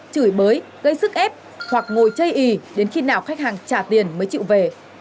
chửi bới gây sức ép hoặc ngồi chây ý đến khi nào khách hàng trả tiền mới chịu về